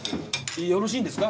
よろしいんですか？